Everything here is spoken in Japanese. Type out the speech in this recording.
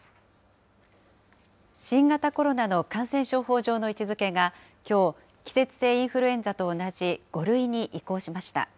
新型コロナの感染症法上の位置づけがきょう、季節性インフルエンザと同じ５類に移行しました。